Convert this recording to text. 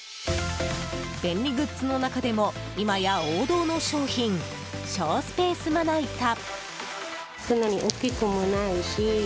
便利グッズの中でも今や王道の商品省スペースまな板。